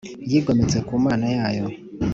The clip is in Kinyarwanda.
yigometse ku Mana yayo.